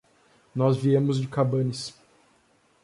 Nós viemos de Cabanes.